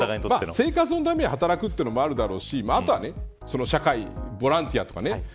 生活のために働くということもあるだろうしあとは社会、ボランティアとか。